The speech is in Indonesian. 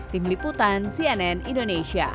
tim liputan cnn indonesia